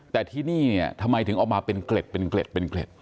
แต่ที่นี่ทำไมถึงออกมาเป็นเกล็ด